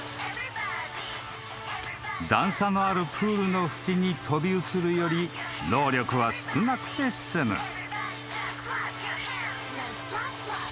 ［段差のあるプールの縁に飛び移るより労力は少なくて済む］